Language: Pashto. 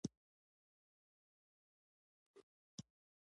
هغه معلومات دې د ابدالي احمدشاه له قدرت سره تړاو ورکړل شي.